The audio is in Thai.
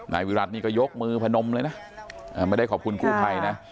นายวิรัตินี่ก็ยกมือพนมเลยนะไม่ได้ขอบคุณกู้ภัยนะ